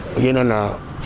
cho nên là